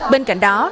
bên cạnh đó